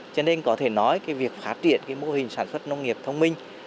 cho nên có thể nói việc phát triển mô hình sản xuất nông nghiệp thông minh